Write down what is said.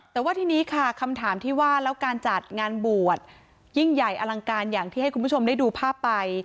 แต่ว่าทีนี้ค่ะคำถามที่ว่าแล้วการจัดงานบวชยิ่งใหญ่อลังการอย่างที่ให้คุณผู้ชมได้ดูภาพไป